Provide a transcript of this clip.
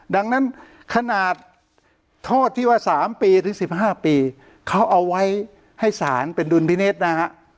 ดังนั้นขนาดโทษที่ว่าสามปีถึงสิบห้าปีเขาเอาไว้ให้สารเป็นดุลพิเนสนะฮะ